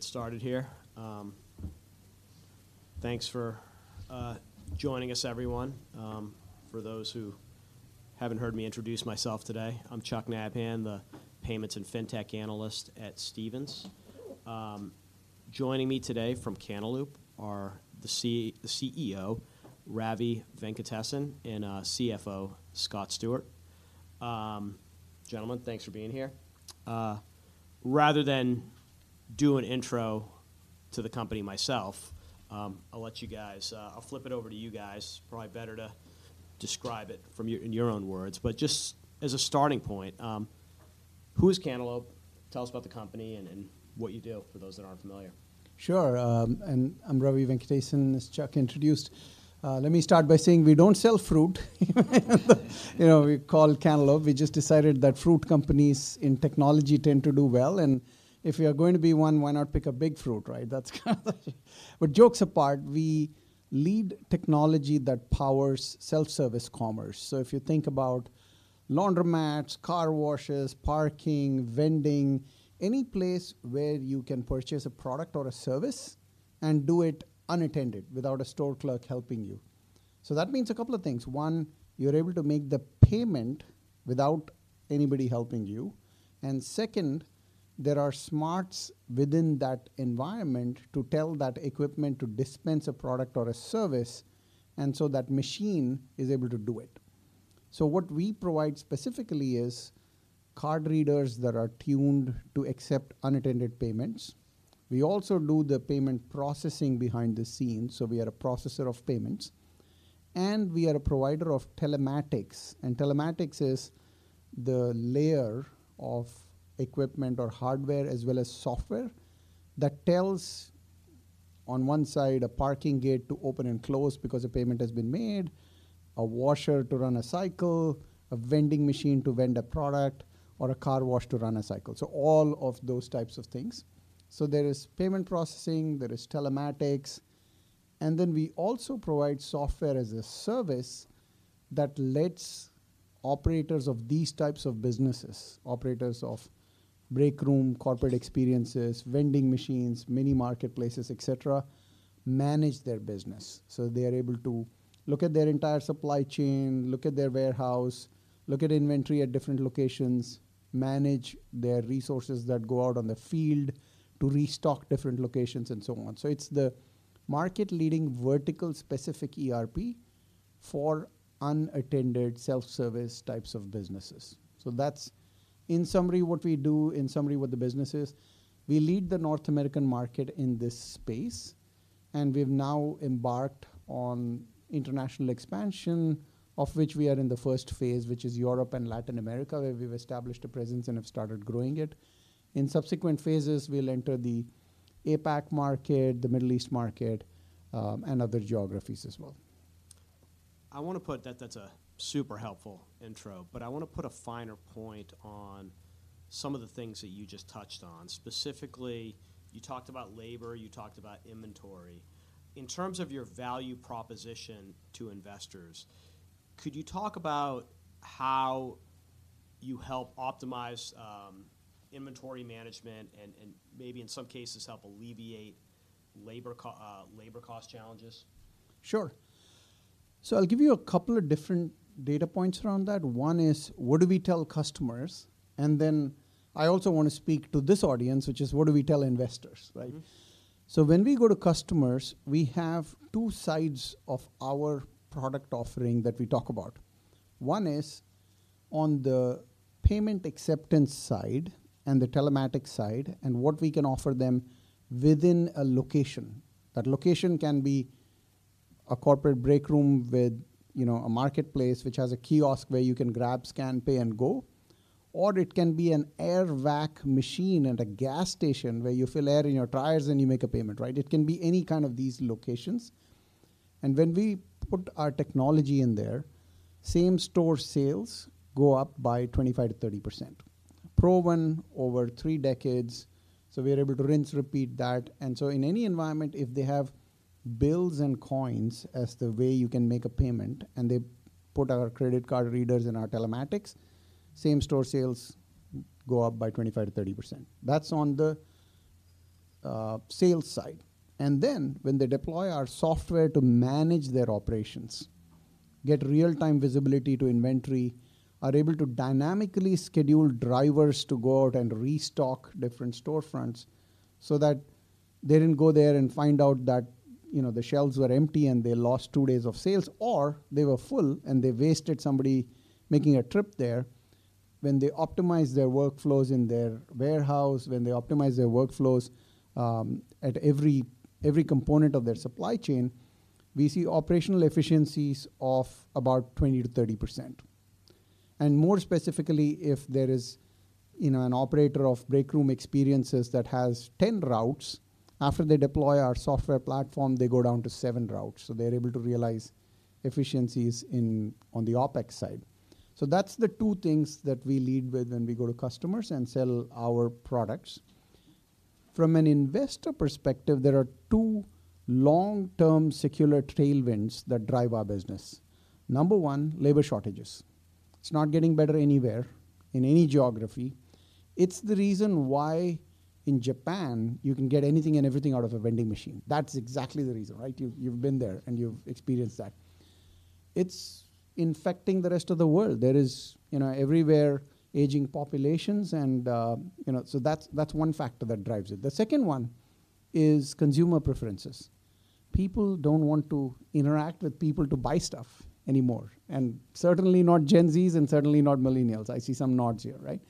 I'm gonna get started here. Thanks for joining us, everyone. For those who haven't heard me introduce myself today, I'm Chuck Nabhan, the payments and fintech analyst at Stephens. Joining me today from Cantaloupe are the CEO, Ravi Venkatesan, and CFO, Scott Stewart. Gentlemen, thanks for being here. Rather than do an intro to the company myself, I'll let you guys. I'll flip it over to you guys. Probably better to describe it from your in your own words. But just as a starting point, who is Cantaloupe? Tell us about the company and what you do, for those that aren't familiar. Sure, and I'm Ravi Venkatesan, as Chuck introduced. Let me start by saying we don't sell fruit. You know, we're called Cantaloupe. We just decided that fruit companies in technology tend to do well, and if we are going to be one, why not pick a big fruit, right? That's kind of... But jokes apart, we lead technology that powers self-service commerce. So if you think about laundromats, car washes, parking, vending, any place where you can purchase a product or a service and do it unattended, without a store clerk helping you. So that means a couple of things: one, you're able to make the payment without anybody helping you, and second, there are smarts within that environment to tell that equipment to dispense a product or a service, and so that machine is able to do it. So what we provide specifically is card readers that are tuned to accept unattended payments. We also do the payment processing behind the scenes, so we are a processor of payments, and we are a provider of telematics. And telematics is the layer of equipment or hardware, as well as software, that tells, on one side, a parking gate to open and close because a payment has been made, a washer to run a cycle, a vending machine to vend a product, or a car wash to run a cycle. So all of those types of things. So there is payment processing, there is telematics, and then we also provide software as a service that lets operators of these types of businesses, operators of breakroom, corporate experiences, vending machines, mini marketplaces, et cetera, manage their business. So they are able to look at their entire supply chain, look at their warehouse, look at inventory at different locations, manage their resources that go out on the field to restock different locations, and so on. So it's the market-leading, vertical-specific ERP for unattended self-service types of businesses. So that's, in summary, what we do, in summary, what the business is. We lead the North American market in this space, and we've now embarked on international expansion, of which we are in the first phase, which is Europe and Latin America, where we've established a presence and have started growing it. In subsequent phases, we'll enter the APAC market, the Middle East market, and other geographies as well. That, that's a super helpful intro, but I want to put a finer point on some of the things that you just touched on. Specifically, you talked about labor, you talked about inventory. In terms of your value proposition to investors, could you talk about how you help optimize inventory management and maybe in some cases, help alleviate labor cost challenges? Sure. So I'll give you a couple of different data points around that. One is, what do we tell customers? And then I also want to speak to this audience, which is, what do we tell investors, right? Mm-hmm. So when we go to customers, we have two sides of our product offering that we talk about. One is on the payment acceptance side and the telematics side, and what we can offer them within a location. That location can be a corporate break room with, you know, a marketplace, which has a kiosk where you can grab, scan, pay, and go, or it can be an air vac machine at a gas station where you fill air in your tires and you make a payment, right? It can be any kind of these locations. And when we put our technology in there, same-store sales go up by 25%-30%. Proven over three decades, so we are able to rinse, repeat that. So in any environment, if they have bills and coins as the way you can make a payment, and they put our credit card readers and our telematics, same-store sales go up by 25%-30%. That's on the sales side. Then, when they deploy our software to manage their operations, get real-time visibility to inventory, are able to dynamically schedule drivers to go out and restock different storefronts so that they didn't go there and find out that, you know, the shelves were empty and they lost two days of sales, or they were full and they wasted somebody making a trip there. When they optimize their workflows in their warehouse, when they optimize their workflows at every component of their supply chain, we see operational efficiencies of about 20%-30%. More specifically, if there is, you know, an operator of break room experiences that has 10 routes, after they deploy our software platform, they go down to seven routes, so they're able to realize efficiencies in on the OpEx side. So that's the two things that we lead with when we go to customers and sell our products. From an investor perspective, there are two long-term secular tailwinds that drive our business. Number 1, labor shortages.... It's not getting better anywhere, in any geography. It's the reason why in Japan, you can get anything and everything out of a vending machine. That's exactly the reason, right? You've, you've been there, and you've experienced that. It's infecting the rest of the world. There is, you know, everywhere, aging populations, and, you know, so that's, that's one factor that drives it. The second one is consumer preferences. People don't want to interact with people to buy stuff anymore, and certainly not Gen Zs and certainly not Millennials. I see some nods here, right?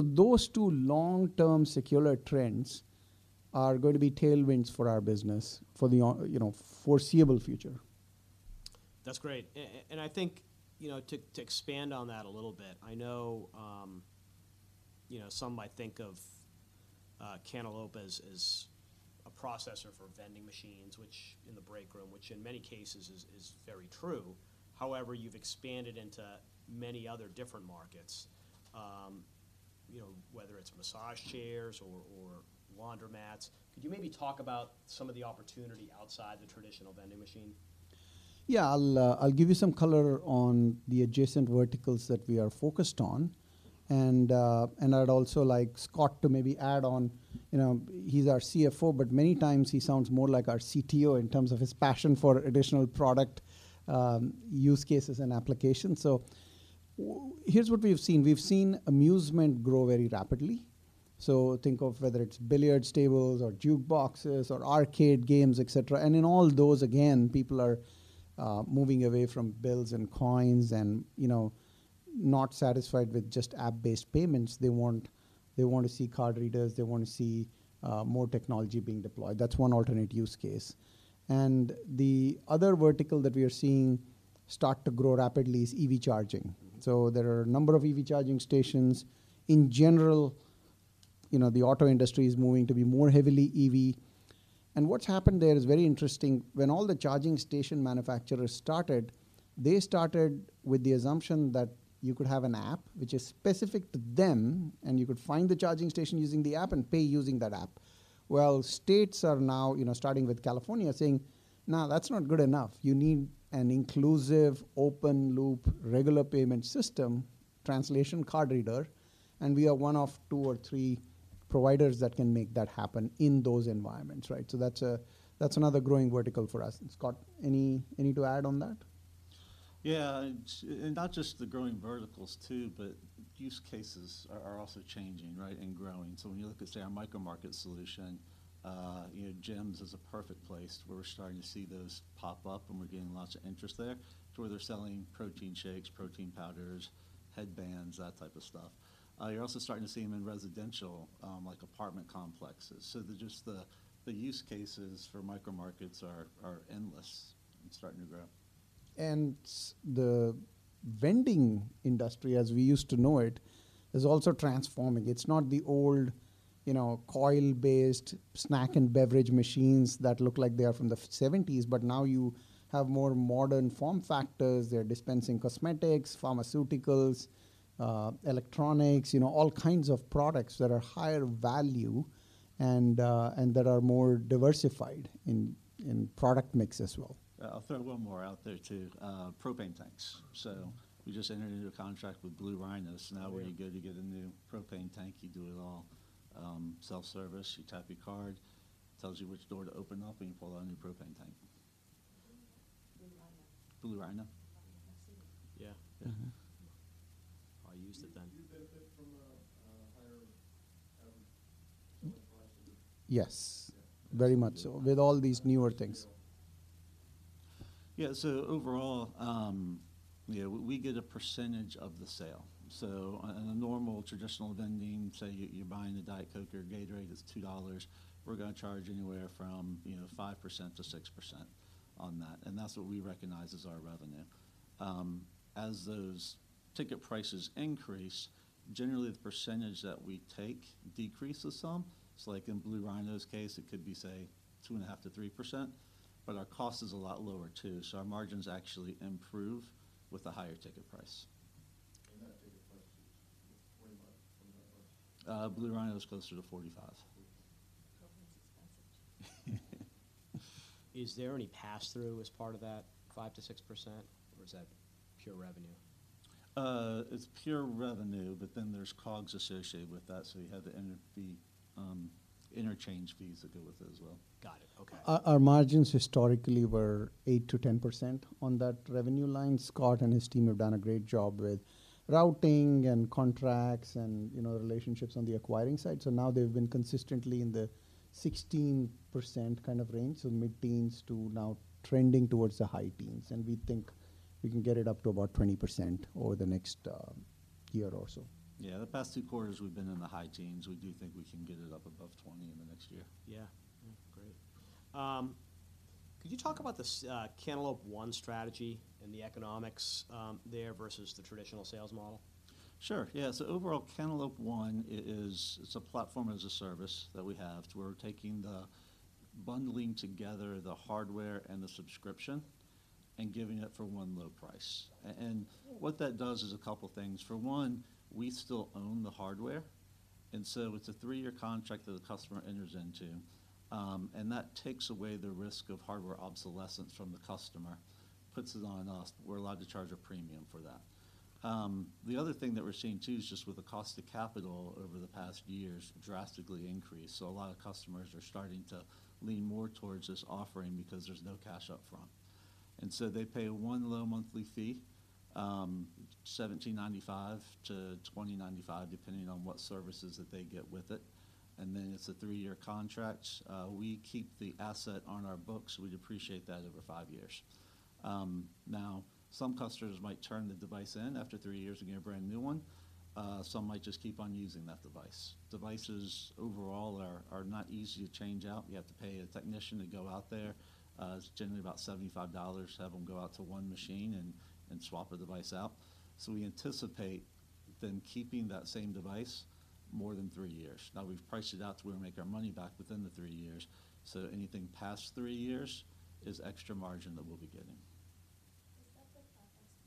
Those two long-term secular trends are going to be tailwinds for our business, for the, you know, foreseeable future. That's great. And I think, you know, to expand on that a little bit, I know, you know, some might think of Cantaloupe as a processor for vending machines, which in the break room in many cases is very true. However, you've expanded into many other different markets, you know, whether it's massage chairs or laundromats. Could you maybe talk about some of the opportunity outside the traditional vending machine? Yeah. I'll give you some color on the adjacent verticals that we are focused on. And I'd also like Scott to maybe add on, you know, he's our CFO, but many times he sounds more like our CTO in terms of his passion for additional product use cases and applications. So here's what we've seen. We've seen amusement grow very rapidly. So think of whether it's billiards tables or jukeboxes or arcade games, et cetera. And in all those, again, people are moving away from bills and coins and, you know, not satisfied with just app-based payments. They want. They want to see card readers. They want to see more technology being deployed. That's one alternate use case. And the other vertical that we are seeing start to grow rapidly is EV charging. So there are a number of EV charging stations. In general, you know, the auto industry is moving to be more heavily EV, and what's happened there is very interesting. When all the charging station manufacturers started, they started with the assumption that you could have an app which is specific to them, and you could find the charging station using the app and pay using that app. Well, states are now, you know, starting with California, saying, "No, that's not good enough. You need an inclusive, open loop, regular payment system," translation: card reader, and we are one of two or three providers that can make that happen in those environments, right? So that's another growing vertical for us. And, Scott, any to add on that? Yeah, it's and not just the growing verticals, too, but use cases are also changing, right, and growing. So when you look at, say, our micro market solution, you know, gyms is a perfect place where we're starting to see those pop up, and we're getting lots of interest there, to where they're selling protein shakes, protein powders, headbands, that type of stuff. You're also starting to see them in residential, like apartment complexes. So just the use cases for micro markets are endless and starting to grow. The vending industry, as we used to know it, is also transforming. It's not the old, you know, coil-based snack and beverage machines that look like they are from the '70s, but now you have more modern form factors. They're dispensing cosmetics, pharmaceuticals, electronics, you know, all kinds of products that are higher value and, and that are more diversified in product mix as well. I'll throw one more out there, too, propane tanks. So we just entered into a contract with Blue Rhino. So now when you go to get a new propane tank, you do it all, self-service. You tap your card, tells you which door to open up, and you pull out a new propane tank. Blue Rhino. Blue Rhino. I've seen them. Yeah. Mm-hmm. I used it then. Do you benefit from a higher price? Yes. Yeah. Very much so, with all these newer things. Yeah. So overall, yeah, we get a percentage of the sale. So on a normal, traditional vending, say you're buying a Diet Coke or Gatorade, it's $2, we're gonna charge anywhere from, you know, 5%-6% on that, and that's what we recognize as our revenue. As those ticket prices increase, generally the percentage that we take decreases some. So like in Blue Rhino's case, it could be, say, 2.5%-3%, but our cost is a lot lower too, so our margins actually improve with a higher ticket price. That ticket price is $25 from that much? Blue Rhino is closer to 45. Propane is expensive. Is there any pass-through as part of that 5%-6%, or is that pure revenue? It's pure revenue, but then there's COGS associated with that, so you have the interchange fees that go with it as well. Got it. Okay. Our margins historically were 8%-10% on that revenue line. Scott and his team have done a great job with routing and contracts and, you know, relationships on the acquiring side. So now they've been consistently in the 16% kind of range, so mid-teens to now trending towards the high teens, and we think we can get it up to about 20% over the next year or so. Yeah, the past two quarters we've been in the high teens. We do think we can get it up above 20 in the next year. Yeah. Great. Could you talk about the Cantaloupe One strategy and the economics there versus the traditional sales model? Sure. Yeah. So overall, Cantaloupe One is, it's a platform, and it's a service that we have, where we're bundling together the hardware and the subscription, and giving it for one low price. And what that does is a couple things. For one, we still own the hardware, and so it's a three-year contract that the customer enters into, and that takes away the risk of hardware obsolescence from the customer, puts it on us. We're allowed to charge a premium for that. The other thing that we're seeing, too, is just with the cost of capital over the past years drastically increased. So a lot of customers are starting to lean more towards this offering because there's no cash upfront. They pay one low monthly fee, $17.95-$20.95, depending on what services that they get with it, and then it's a three-year contract. We keep the asset on our books. We depreciate that over five years. Now, some customers might turn the device in after three years and get a brand-new one. Some might just keep on using that device. Devices overall are not easy to change out. You have to pay a technician to go out there. It's generally about $75 to have them go out to one machine and swap a device out. So we anticipate them keeping that same device more than three years. Now, we've priced it out to where we make our money back within the three years, so anything past three years is extra margin that we'll be getting. Is that the CapEx?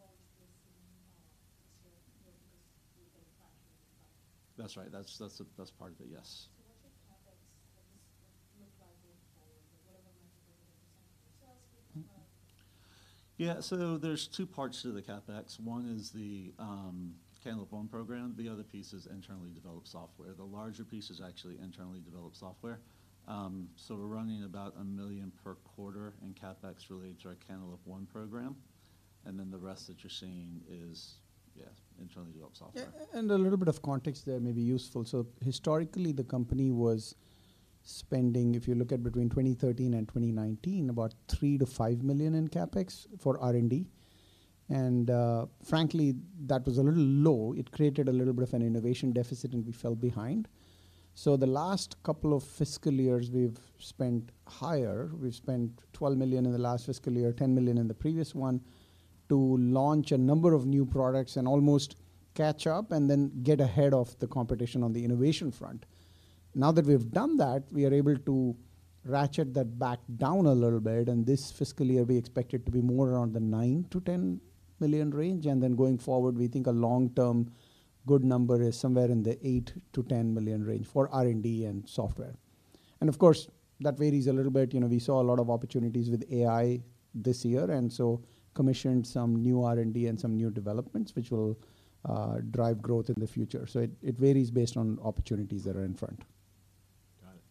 That's right. That's, that's the best part of it. Yes. What should CapEx look like going forward? Mm-hmm. Yeah, so there are two parts to the CapEx. One is the Cantaloupe One program. The other piece is internally developed software. The larger piece is actually internally developed software. So we're running about $1 million per quarter in CapEx related to our Cantaloupe One program, and then the rest that you're seeing is, yeah, internally developed software. Yeah, and a little bit of context there may be useful. So historically, the company was spending, if you look at between 2013 and 2019, about $3 million-$5 million in CapEx for R&D, and, frankly, that was a little low. It created a little bit of an innovation deficit, and we fell behind. So the last couple of fiscal years, we've spent higher. We've spent $12 million in the last fiscal year, $10 million in the previous one, to launch a number of new products and almost catch up and then get ahead of the competition on the innovation front. Now that we've done that, we are able to ratchet that back down a little bit, and this fiscal year, we expect it to be more around the $9-$10 million range, and then going forward, we think a long-term good number is somewhere in the $8-$10 million range for R&D and software. And of course, that varies a little bit. You know, we saw a lot of opportunities with AI this year, and so commissioned some new R&D and some new developments, which will drive growth in the future. So it varies based on opportunities that are in front. Got it.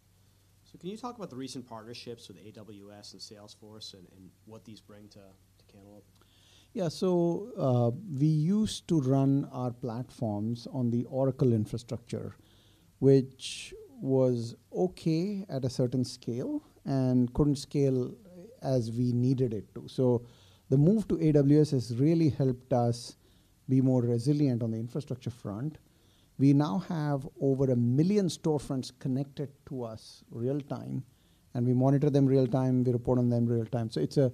So can you talk about the recent partnerships with AWS and Salesforce and what these bring to Cantaloupe? Yeah. So we used to run our platforms on the Oracle infrastructure, which was okay at a certain scale and couldn't scale as we needed it to. So the move to AWS has really helped us be more resilient on the infrastructure front. We now have over 1 million storefronts connected to us real-time, and we monitor them real-time, we report on them real-time. So it's a,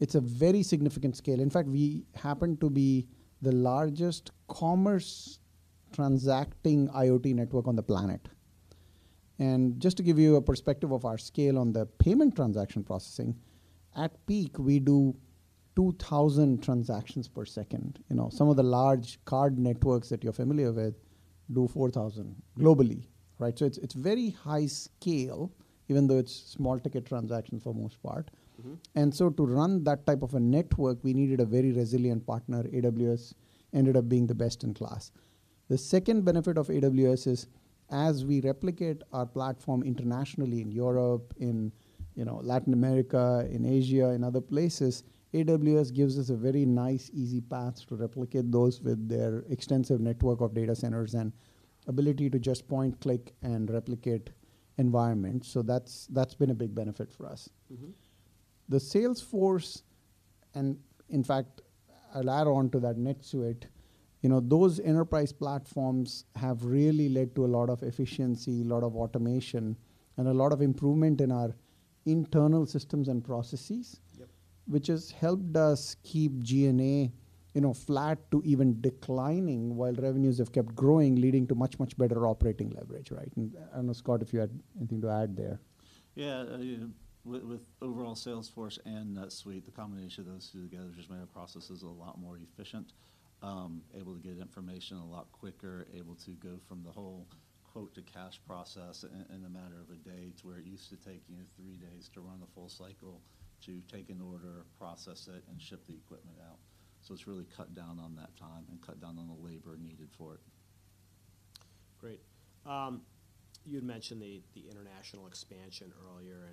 it's a very significant scale. In fact, we happen to be the largest commerce transacting IoT network on the planet. And just to give you a perspective of our scale on the payment transaction processing, at peak, we do 2,000 transactions per second. You know, some of the large card networks that you're familiar with do 4,000 globally, right? So it's, it's very high scale, even though it's small-ticket transactions for the most part. Mm-hmm. So to run that type of a network, we needed a very resilient partner. AWS ended up being the best in class. The second benefit of AWS is, as we replicate our platform internationally in Europe, in, you know, Latin America, in Asia, and other places, AWS gives us a very nice, easy path to replicate those with their extensive network of data centers and ability to just point, click, and replicate environments. So that's been a big benefit for us. Mm-hmm. The Salesforce, and in fact, I'll add on to that NetSuite, you know, those enterprise platforms have really led to a lot of efficiency, a lot of automation, and a lot of improvement in our internal systems and processes- Yep. - which has helped us keep G&A, you know, flat to even declining, while revenues have kept growing, leading to much, much better operating leverage, right? And I don't know, Scott, if you had anything to add there. Yeah. Yeah, with overall Salesforce and NetSuite, the combination of those two together just made our processes a lot more efficient. Able to get information a lot quicker, able to go from the whole quote-to-cash process in a matter of a day, to where it used to take, you know, three days to run the full cycle, to take an order, process it, and ship the equipment out. So it's really cut down on that time and cut down on the labor needed for it. Great. You'd mentioned the international expansion earlier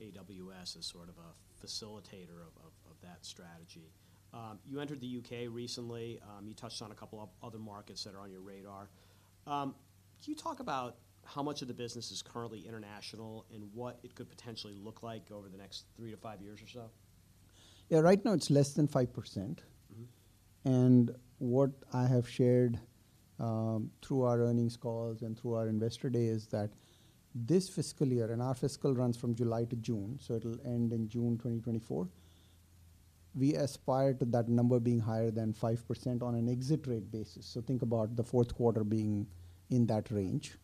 and AWS as sort of a facilitator of that strategy. You entered the UK recently. You touched on a couple of other markets that are on your radar. Can you talk about how much of the business is currently international and what it could potentially look like over the next three to five years or so? Yeah. Right now, it's less than 5%. Mm-hmm. What I have shared through our earnings calls and through our Investor Day is that this fiscal year, and our fiscal runs from July to June, so it'll end in June 2024, we aspire to that number being higher than 5% on an exit rate basis. So think about the fourth quarter being in that range....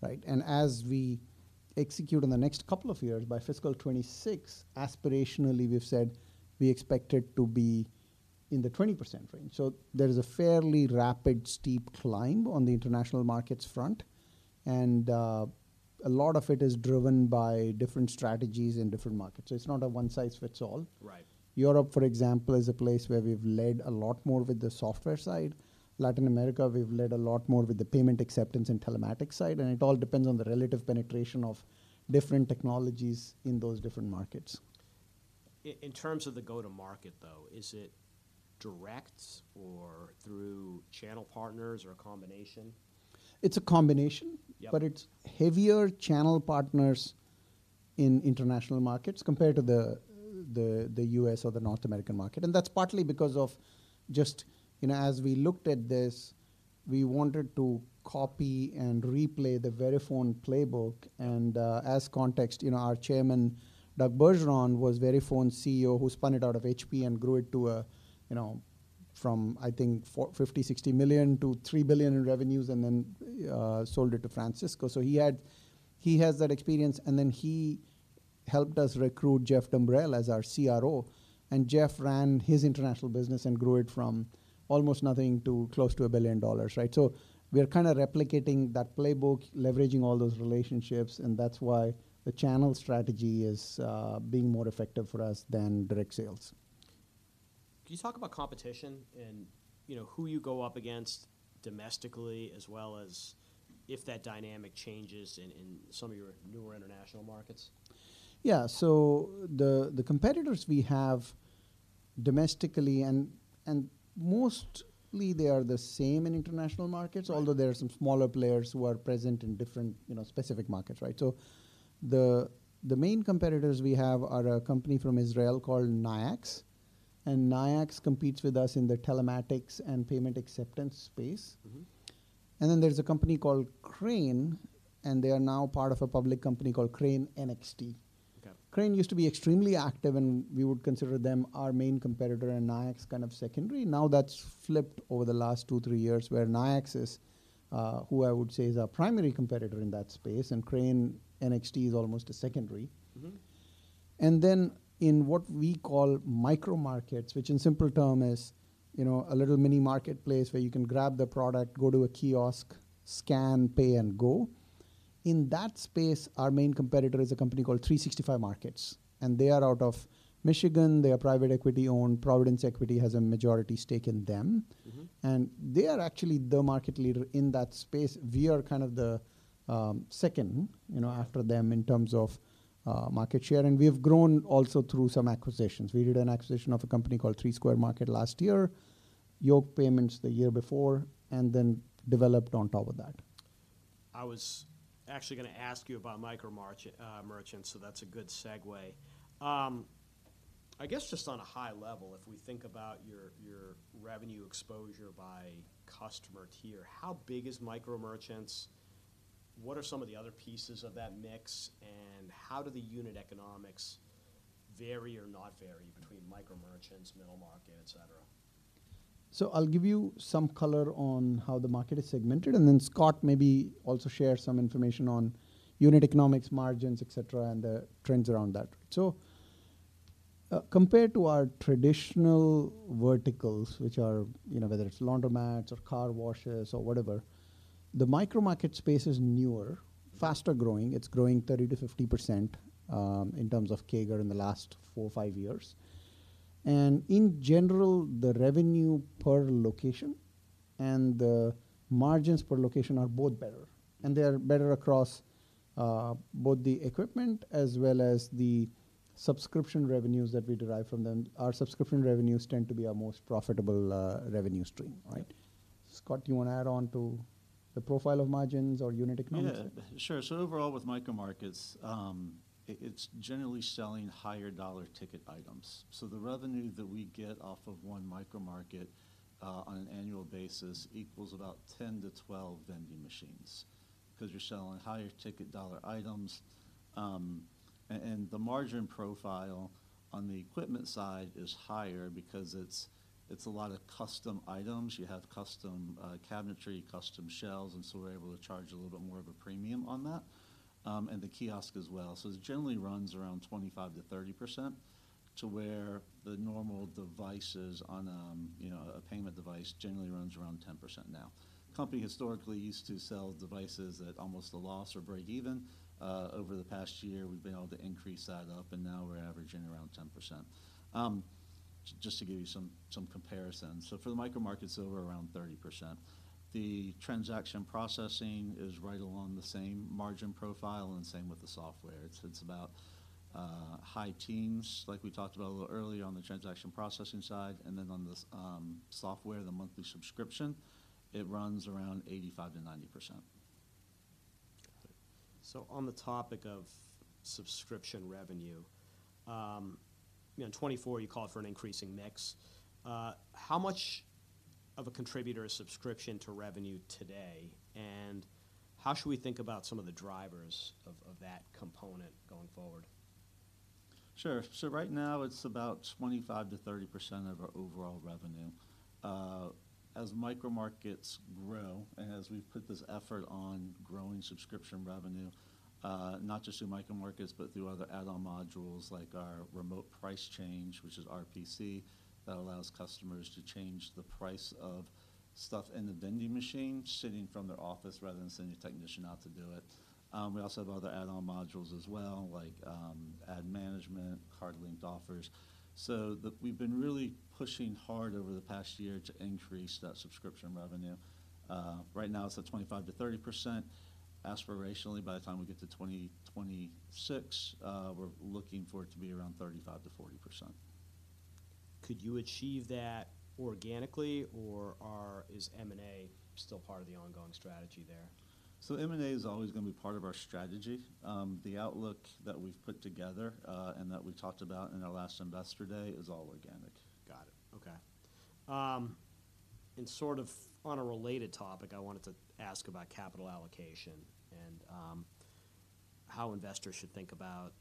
Right, and as we execute in the next couple of years, by fiscal 2026, aspirationally, we've said we expect it to be in the 20% range. So there is a fairly rapid, steep climb on the international markets front, and a lot of it is driven by different strategies in different markets. So it's not a one-size-fits-all. Right. Europe, for example, is a place where we've led a lot more with the software side. Latin America, we've led a lot more with the payment acceptance and telematics side, and it all depends on the relative penetration of different technologies in those different markets. In terms of the go-to-market, though, is it direct or through channel partners or a combination? It's a combination- Yeah. But it's heavier channel partners in international markets compared to the US or the North American market. And that's partly because of just, you know, as we looked at this, we wanted to copy and replay the Verifone playbook. And, as context, you know, our Chairman, Doug Bergeron, was Verifone's CEO, who spun it out of HP and grew it to a, you know, from, I think, $50-$60 million to $3 billion in revenues, and then sold it to Francisco. So he has that experience, and then he helped us recruit Jeff Dumbrell as our CRO, and Jeff ran his international business and grew it from almost nothing to close to $1 billion, right? We are kind of replicating that playbook, leveraging all those relationships, and that's why the channel strategy is being more effective for us than direct sales. Can you talk about competition and, you know, who you go up against domestically, as well as if that dynamic changes in some of your newer international markets? Yeah. So the competitors we have domestically and mostly they are the same in international markets- Right. Although there are some smaller players who are present in different, you know, specific markets, right? So the main competitors we have are a company from Israel called Nayax, and Nayax competes with us in the telematics and payment acceptance space. Mm-hmm. And then there's a company called Crane, and they are now part of a public company called Crane NXT. Okay. Crane NXT used to be extremely active, and we would consider them our main competitor and Nayax kind of secondary. Now, that's flipped over the last 2-3 years, where Nayax is, who I would say is our primary competitor in that space, and Crane NXT is almost a secondary. Mm-hmm. And then in what we call micro markets, which in simple term is, you know, a little mini marketplace where you can grab the product, go to a kiosk, scan, pay, and go. In that space, our main competitor is a company called 365 Retail Markets, and they are out of Michigan. They are private equity-owned. Providence Equity has a majority stake in them. Mm-hmm. They are actually the market leader in that space. We are kind of the second, you know, after them in terms of market share, and we have grown also through some acquisitions. We did an acquisition of a company called Three Square Market last year, Yoke Payments the year before, and then developed on top of that. I was actually gonna ask you about micro-market merchants, so that's a good segue. I guess just on a high level, if we think about your, your revenue exposure by customer tier, how big is micro-merchants? What are some of the other pieces of that mix, and how do the unit economics vary or not vary between micro-merchants, middle market, et cetera? So I'll give you some color on how the market is segmented, and then Scott maybe also share some information on unit economics, margins, et cetera, and the trends around that. So, compared to our traditional verticals, which are, you know, whether it's laundromats or car washes or whatever, the micro-market space is newer, faster growing. It's growing 30%-50%, in terms of CAGR in the last four or five years. And in general, the revenue per location and the margins per location are both better, and they are better across, both the equipment as well as the subscription revenues that we derive from them. Our subscription revenues tend to be our most profitable, revenue stream, right? Yeah. Scott, do you want to add on to the profile of margins or unit economics? Yeah, sure. So overall, with micro markets, it's generally selling higher dollar ticket items. So the revenue that we get off of one micro market, on an annual basis equals about 10-12 vending machines, 'cause you're selling higher ticket dollar items. And the margin profile on the equipment side is higher because it's, it's a lot of custom items. You have custom cabinetry, custom shelves, and so we're able to charge a little bit more of a premium on that, and the kiosk as well. So it generally runs around 25%-30%, to where the normal devices on, you know, a payment device generally runs around 10% now. Company historically used to sell devices at almost a loss or breakeven. Over the past year, we've been able to increase that up, and now we're averaging around 10%. Just to give you some comparisons. So for the micro markets, it's over around 30%. The transaction processing is right along the same margin profile and same with the software. It's about high teens, like we talked about a little earlier on the transaction processing side, and then on the software, the monthly subscription, it runs around 85%-90%. So on the topic of subscription revenue, you know, in 2024, you called for an increasing mix. How much of a contributor is subscription to revenue today, and how should we think about some of the drivers of that component going forward?... Sure. So right now it's about 25%-30% of our overall revenue. As micro markets grow and as we've put this effort on growing subscription revenue, not just through micro markets, but through other add-on modules like our Remote Price Change, which is RPC, that allows customers to change the price of stuff in the vending machine, sitting from their office rather than sending a technician out to do it. We also have other add-on modules as well, like, Ad Management, Card-Linked Offers. So we've been really pushing hard over the past year to increase that subscription revenue. Right now, it's at 25%-30%. Aspirationally, by the time we get to 2026, we're looking for it to be around 35%-40%. Could you achieve that organically, or is M&A still part of the ongoing strategy there? M&A is always going to be part of our strategy. The outlook that we've put together, and that we talked about in our last investor day is all organic. Got it. Okay. Sort of on a related topic, I wanted to ask about capital allocation and how investors should think about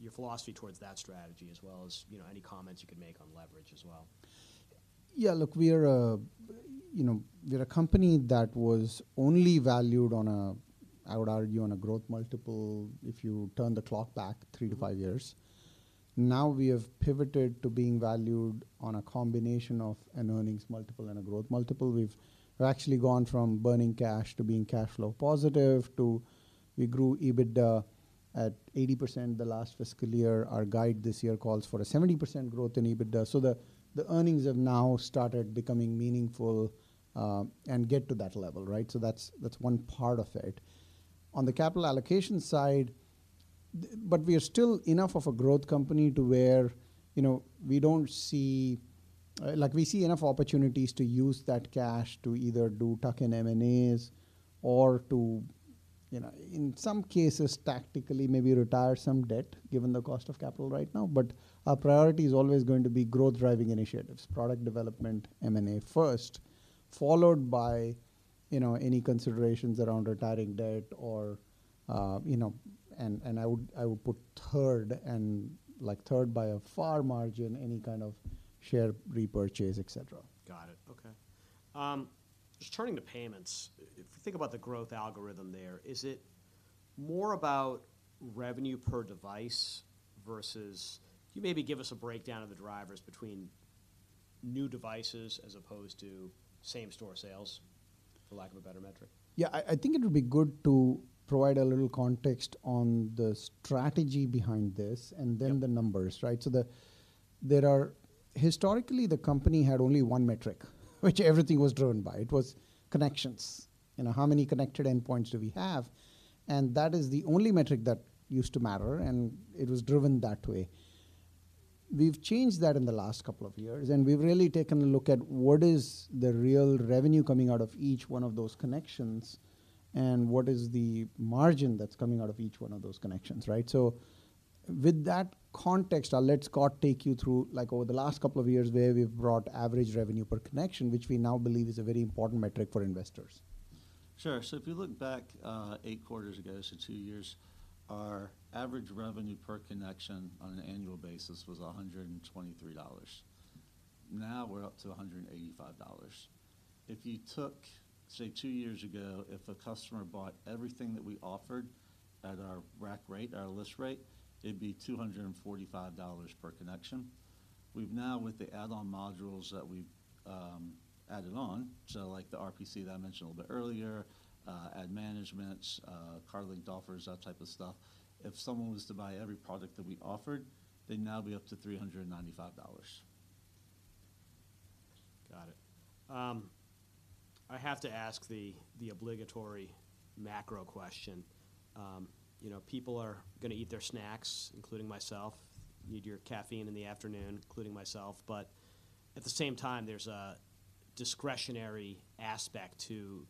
your philosophy towards that strategy, as well as, you know, any comments you could make on leverage as well. Yeah, look, we are a, you know, we're a company that was only valued on a, I would argue, on a growth multiple, if you turn the clock back 3-5 years. Now, we have pivoted to being valued on a combination of an earnings multiple and a growth multiple. We've actually gone from burning cash to being cash flow positive, to... We grew EBITDA at 80% the last fiscal year. Our guide this year calls for a 70% growth in EBITDA. So the earnings have now started becoming meaningful, and get to that level, right? So that's one part of it. On the capital allocation side, but we are still enough of a growth company to where, you know, we don't see, like, we see enough opportunities to use that cash to either do tuck-in M&As or to, you know, in some cases, tactically, maybe retire some debt, given the cost of capital right now. But our priority is always going to be growth-driving initiatives, product development, M&A first, followed by, you know, any considerations around retiring debt or, you know. And, and I would, I would put third and, like, third by a far margin, any kind of share repurchase, et cetera. Got it. Okay. Just turning to payments, if you think about the growth algorithm there, is it more about revenue per device versus—can you maybe give us a breakdown of the drivers between new devices as opposed to same-store sales, for lack of a better metric? Yeah, I think it would be good to provide a little context on the strategy behind this. Yep. and then the numbers, right? So there are historically, the company had only one metric, which everything was driven by. It was connections. You know, how many connected endpoints do we have? And that is the only metric that used to matter, and it was driven that way. We've changed that in the last couple of years, and we've really taken a look at what is the real revenue coming out of each one of those connections, and what is the margin that's coming out of each one of those connections, right? So with that context, I'll let Scott take you through, like, over the last couple of years, where we've brought average revenue per connection, which we now believe is a very important metric for investors. Sure. So if you look back eight quarters ago, so two years, our average revenue per connection on an annual basis was $123. Now, we're up to $185. If you took, say, two years ago, if a customer bought everything that we offered at our rack rate, our list rate, it'd be $245 per connection. We've now, with the add-on modules that we've added on, so like the RPC that I mentioned a little bit earlier, ad management, card-linked offers, that type of stuff. If someone was to buy every product that we offered, they'd now be up to $395. Got it. I have to ask the obligatory macro question. You know, people are going to eat their snacks, including myself, need your caffeine in the afternoon, including myself, but at the same time, there's a discretionary aspect to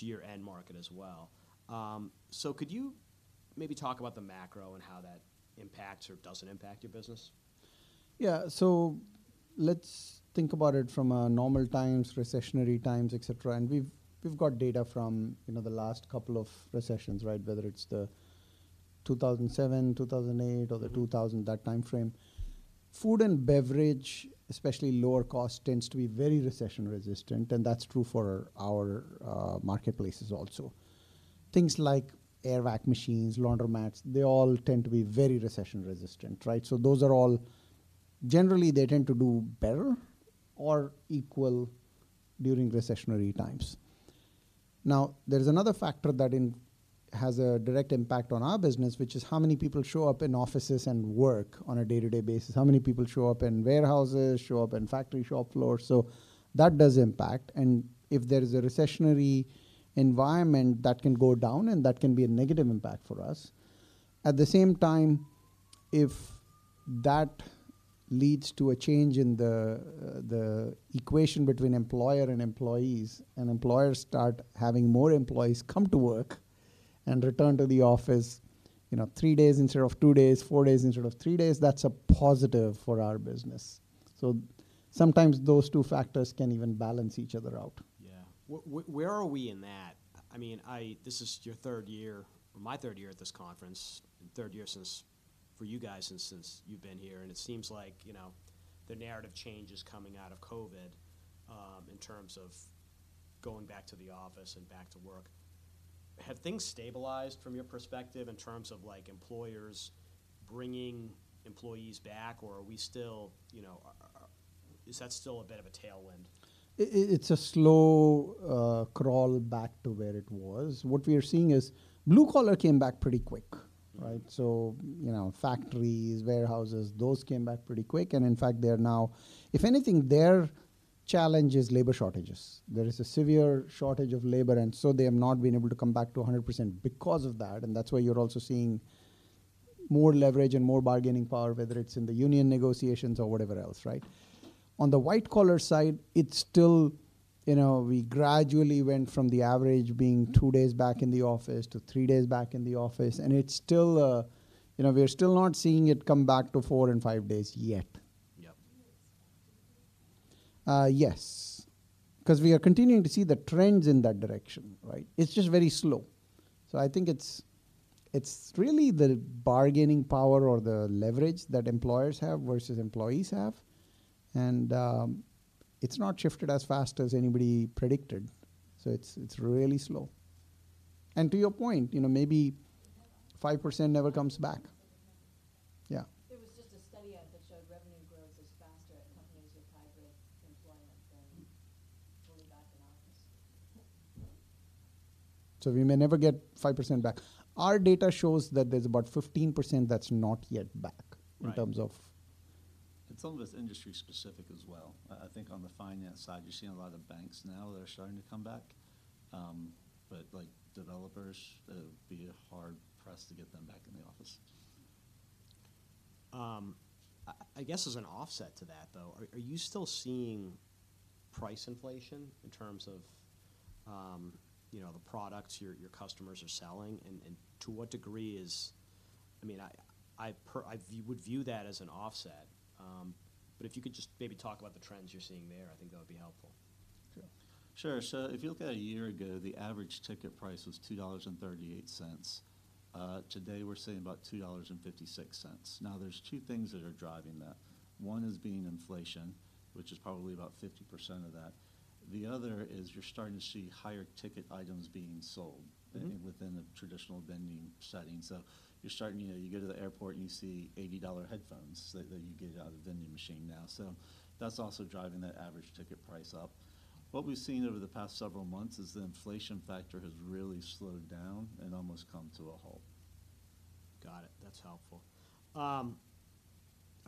your end market as well. So could you maybe talk about the macro and how that impacts or doesn't impact your business? Yeah. So let's think about it from a normal times, recessionary times, et cetera, and we've got data from, you know, the last couple of recessions, right? Whether it's 2007, 2008, or the 2000, that timeframe. Food and beverage, especially lower cost, tends to be very recession resistant, and that's true for our marketplaces also. Things like air vac machines, laundromats, they all tend to be very recession resistant, right? So those are all... Generally, they tend to do better or equal during recessionary times. Now, there is another factor that has a direct impact on our business, which is how many people show up in offices and work on a day-to-day basis. How many people show up in warehouses, show up in factory shop floors? So that does impact, and if there is a recessionary environment, that can go down, and that can be a negative impact for us. At the same time, if that leads to a change in the equation between employer and employees, and employers start having more employees come to work and return to the office, you know, three days instead of two days, four days instead of three days, that's a positive for our business. So sometimes those two factors can even balance each other out. Where are we in that? I mean, this is your third year, or my third year at this conference, and third year since, for you guys, and since you've been here. And it seems like, you know, the narrative change is coming out of COVID, in terms of going back to the office and back to work. Have things stabilized from your perspective in terms of, like, employers bringing employees back, or are we still, you know, is that still a bit of a tailwind? It's a slow crawl back to where it was. What we are seeing is blue collar came back pretty quick, right? So, you know, factories, warehouses, those came back pretty quick, and in fact, they are now... If anything, their challenge is labor shortages. There is a severe shortage of labor, and so they have not been able to come back to 100% because of that, and that's why you're also seeing more leverage and more bargaining power, whether it's in the union negotiations or whatever else, right? On the white-collar side, it's still, you know, we gradually went from the average being two days back in the office to three days back in the office, and it's still, you know, we're still not seeing it come back to four and five days yet. Yep. Yes, 'cause we are continuing to see the trends in that direction, right? It's just very slow. So I think it's really the bargaining power or the leverage that employers have versus employees have, and it's not shifted as fast as anybody predicted, so it's really slow. And to your point, you know, maybe 5% never comes back. Yeah. There was just a study out that showed revenue growth is faster at companies with hybrid employment than fully back in office. So we may never get 5% back. Our data shows that there's about 15% that's not yet back- Right. in terms of... And some of it's industry specific as well. I, I think on the finance side, you're seeing a lot of banks now that are starting to come back, but like developers, be hard-pressed to get them back in the office. I guess as an offset to that, though, are you still seeing price inflation in terms of, you know, the products your customers are selling? And to what degree is... I mean, I would view that as an offset, but if you could just maybe talk about the trends you're seeing there, I think that would be helpful. Sure. So if you look at a year ago, the average ticket price was $2.38. Today, we're seeing about $2.56. Now, there's two things that are driving that. One is being inflation, which is probably about 50% of that. The other is you're starting to see higher ticket items being sold- Mm-hmm. within the traditional vending setting. So you're starting, you know, you go to the airport, and you see $80 headphones that, that you get out of the vending machine now. So that's also driving that average ticket price up. What we've seen over the past several months is the inflation factor has really slowed down and almost come to a halt. Got it. That's helpful. I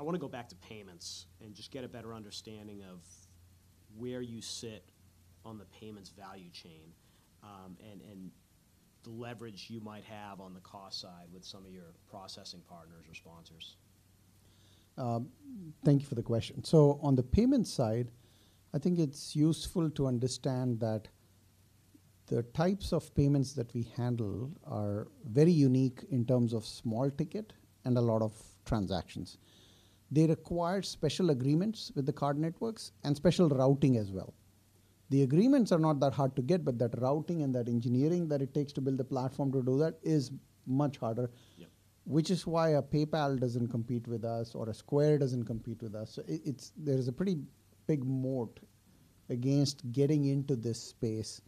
want to go back to payments and just get a better understanding of where you sit on the payments value chain, and the leverage you might have on the cost side with some of your processing partners or sponsors. Thank you for the question. On the payment side, I think it's useful to understand that the types of payments that we handle are very unique in terms of small ticket and a lot of transactions. They require special agreements with the card networks and special routing as well. The agreements are not that hard to get, but that routing and that engineering that it takes to build a platform to do that is much harder. Yeah. Which is why a PayPal doesn't compete with us, or a Square doesn't compete with us. So it's, there's a pretty big moat against getting into this space,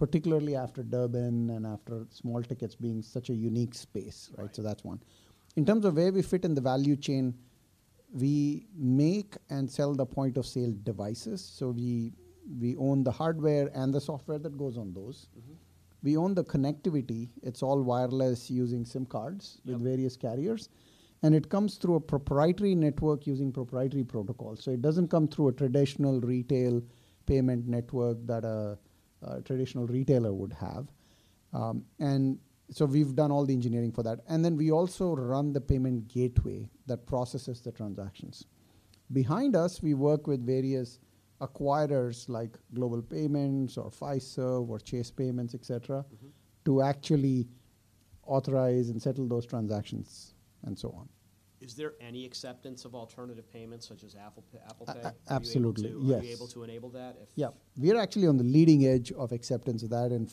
particularly after Durbin and after small tickets being such a unique space. Right. That's one. In terms of where we fit in the value chain, we make and sell the point of sale devices. So we own the hardware and the software that goes on those. Mm-hmm. We own the connectivity. It's all wireless, using SIM cards- Yep... with various carriers, and it comes through a proprietary network using proprietary protocols. So it doesn't come through a traditional retail payment network that a traditional retailer would have. And so we've done all the engineering for that, and then we also run the payment gateway that processes the transactions. Behind us, we work with various acquirers, like Global Payments or Fiserv or Chase Payments, et cetera- Mm-hmm... to actually authorize and settle those transactions and so on. Is there any acceptance of alternative payments, such as Apple Pay, Apple Pay? A-absolutely, yes. Are we able to enable that if- Yeah. We are actually on the leading edge of acceptance of that. In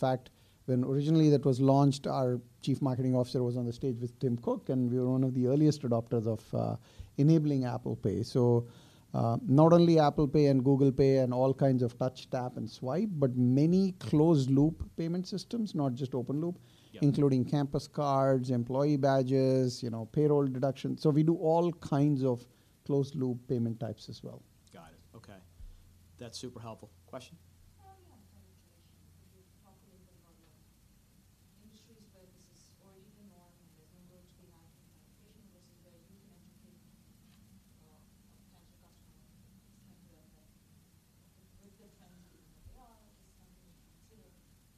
fact, when originally that was launched, our Chief Marketing Officer was on the stage with Tim Cook, and we were one of the earliest adopters of enabling Apple Pay. So, not only Apple Pay and Google Pay and all kinds of touch, tap, and swipe, but many closed-loop payment systems, not just open loop- Yeah... including campus cards, employee badges, you know, payroll deduction. So we do all kinds of closed-loop payment types as well. Got it. Okay, that's super helpful. Question?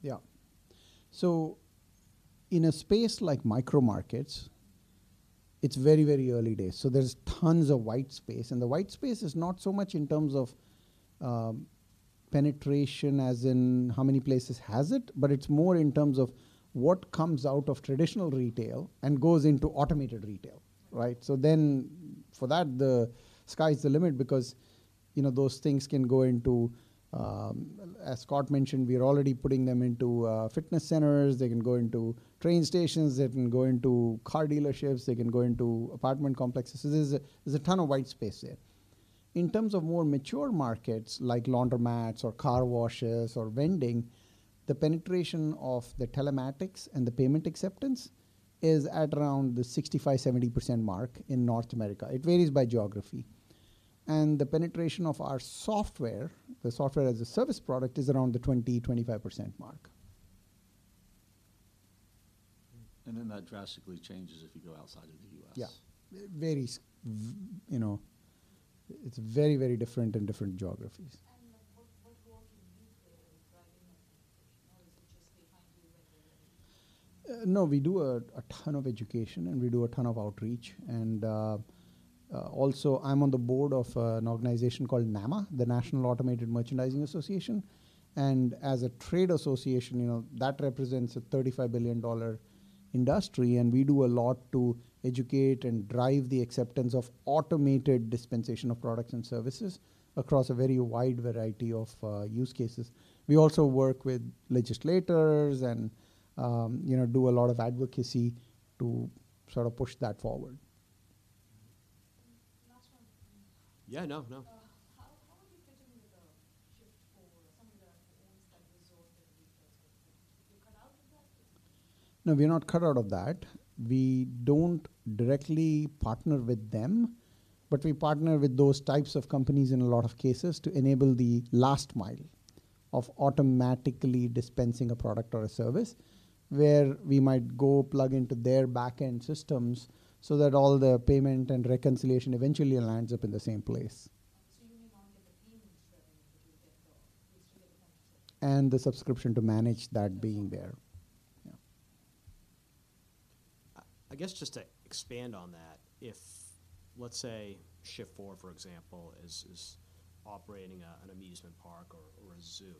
Oh, yeah. Penetration. Could you talk a little bit about the industries where this is, or even more than that, is going to be large application versus where you can educate, potential customers with the trends, AI, something similar? Yeah. So in a space like micro markets, it's very, very early days, so there's tons of white space. And the white space is not so much in terms of penetration as in how many places has it, but it's more in terms of what comes out of traditional retail and goes into automated retail, right? So for that, the sky's the limit because, you know, those things can go into, as Scott mentioned, we are already putting them into fitness centers. They can go into train stations, they can go into car dealerships, they can go into apartment complexes. There's a ton of white space there. In terms of more mature markets, like laundromats or car washes or vending, the penetration of the telematics and the payment acceptance is at around the 65%-70% mark in North America. It varies by geography. The penetration of our software, the software as a service product, is around the 20%-25% mark. That drastically changes if you go outside of the U.S.? Yeah. Varies, you know, it's very, very different in different geographies. What work you do there in driving adoption, or is it just behind you and- No, we do a ton of education, and we do a ton of outreach. And, also, I'm on the board of an organization called NAMA, the National Automatic Merchandising Association, and as a trade association, you know, that represents a $35 billion industry, and we do a lot to educate and drive the acceptance of automated dispensation of products and services across a very wide variety of use cases. We also work with legislators and, you know, do a lot of advocacy to sort of push that forward. Last one. Yeah. No, no. How are you dealing with the shift for some of the resorts and details? You cut out of that? No, we are not cut out of that. We don't directly partner with them, but we partner with those types of companies in a lot of cases to enable the last mile of automatically dispensing a product or a service, where we might go plug into their back-end systems so that all their payment and reconciliation eventually lands up in the same place. You may not get the fees, but you get the subscription. And the subscription to manage that being there. Yeah. I guess just to expand on that, if, let's say, Shift4, for example, is operating an amusement park or a zoo,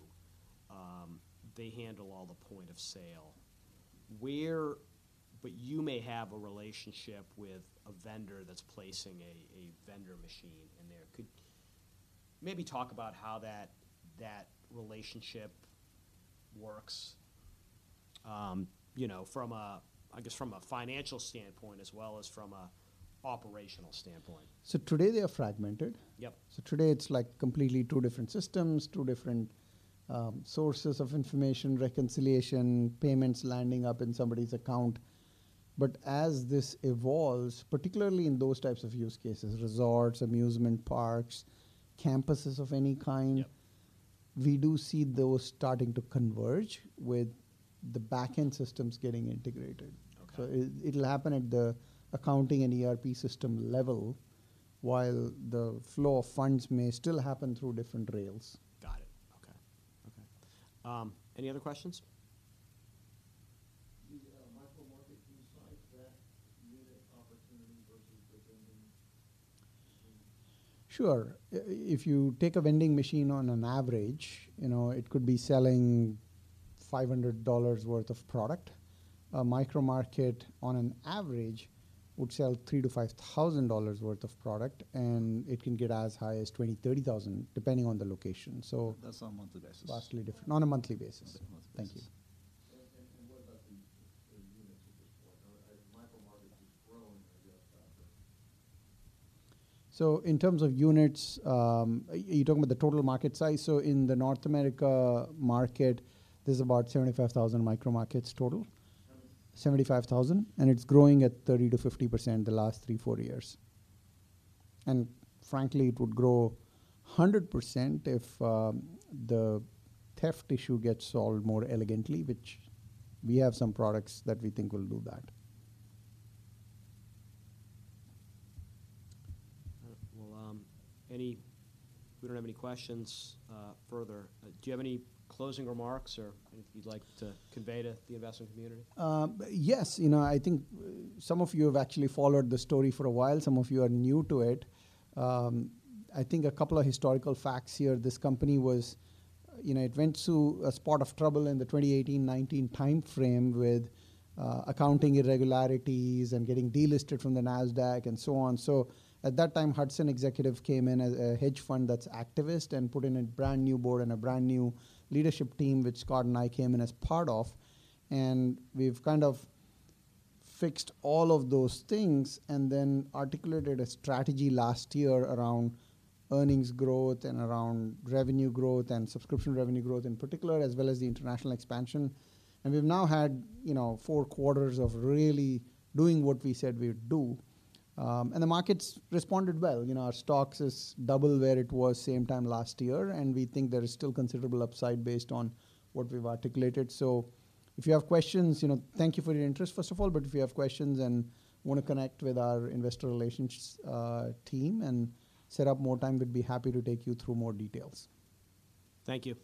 they handle all the point of sale, where but you may have a relationship with a vendor that's placing a vending machine in there. Could maybe talk about how that relationship works, you know, from a financial standpoint as well as from an operational standpoint. Today they are fragmented. Yep. So today it's like completely two different systems, two different sources of information, reconciliation, payments landing up in somebody's account. But as this evolves, particularly in those types of use cases, resorts, amusement parks, campuses of any kind- Yep. We do see those starting to converge with the back-end systems getting integrated. Okay. So it'll happen at the accounting and ERP system level, while the flow of funds may still happen through different rails. Got it. Okay. Okay. Any other questions? The micro-market, you cite that unit opportunity versus the vending machine. Sure. If you take a vending machine on an average, you know, it could be selling $500 worth of product. A micro-market, on an average, would sell $3,000-$5,000 worth of product, and it can get as high as $20,000-$30,000, depending on the location. So- That's on a monthly basis? Vastly different. On a monthly basis. On a monthly basis. Thank you. And what about the units at this point? As micro-markets is growing, I guess, but- So in terms of units, are you talking about the total market size? So in the North America market, there's about 75,000 micro-markets total. Seventy-five? 75,000, and it's growing at 30%-50% the last 3-4 years. Frankly, it would grow 100% if the theft issue gets solved more elegantly, which we have some products that we think will do that. Well, we don't have any questions further. Do you have any closing remarks or anything you'd like to convey to the investment community? Yes. You know, I think some of you have actually followed the story for a while. Some of you are new to it. I think a couple of historical facts here. This company was, you know, it went through a spot of trouble in the 2018-2019 timeframe with accounting irregularities and getting delisted from the Nasdaq and so on. So at that time, Hudson Executive came in as a hedge fund that's activist and put in a brand-new board and a brand-new leadership team, which Scott and I came in as part of, and we've kind of fixed all of those things and then articulated a strategy last year around earnings growth and around revenue growth, and subscription revenue growth in particular, as well as the international expansion. We've now had, you know, four quarters of really doing what we said we'd do, and the market's responded well. You know, our stocks is double where it was same time last year, and we think there is still considerable upside based on what we've articulated. So if you have questions, you know, thank you for your interest, first of all, but if you have questions and want to connect with our investor relations team and set up more time, we'd be happy to take you through more details. Thank you.